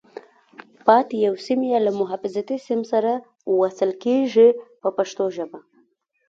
پاتې یو سیم یې له حفاظتي سیم سره وصل کېږي په پښتو ژبه.